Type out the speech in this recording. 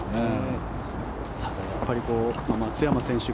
ただやっぱり松山選手が